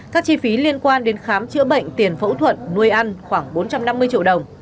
các chi phí liên quan đến khám chữa bệnh tiền phẫu thuật nuôi ăn khoảng bốn trăm năm mươi triệu đồng